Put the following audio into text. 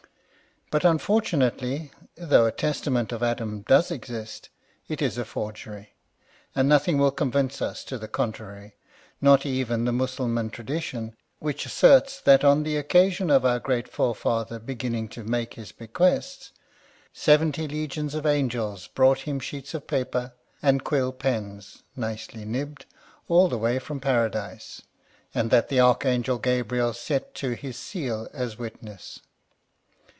But, unfortunately, though a testament of Adam does exist, it is a forgery ; and nothing will convince us to the contrary, — not even the Mussulman tradition, which asserts that on the occasion of our great forefather beginning to make his bequests, seventy legions of angels brought him sheets of paper and quill pens, nicely nibbed, all the way from Paradise ; and that the Archangel Gabriel set to his seal as witness.